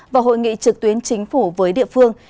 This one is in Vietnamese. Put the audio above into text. và hội nghị trực tuyến chính phủ với địa phương